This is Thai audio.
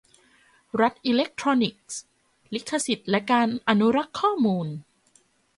รัฐอิเล็กทรอนิกส์ : ลิขสิทธิ์และการอนุรักษ์ข้อมูล